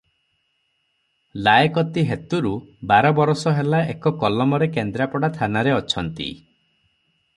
ଲାଏକତୀ ହେତୁରୁ ବାର ବରଷ ହେଲା ଏକ କଲମରେ କେନ୍ଦ୍ରାପଡ଼ା ଥାନାରେ ଅଛନ୍ତି ।